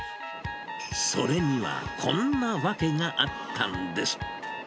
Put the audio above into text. それにはこんな訳があったんです。